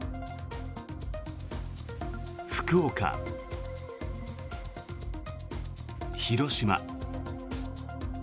福岡、広島。